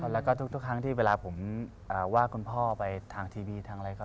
แล้วก็ทุกครั้งที่เวลาผมว่าคุณพ่อไปทางทีวีทางอะไรก็